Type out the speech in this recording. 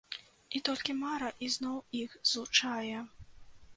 І толькі мара ізноў іх злучае.